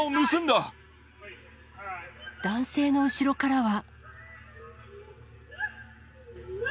男性の後ろからは。